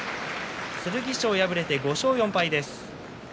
剣翔は敗れて５勝４敗です。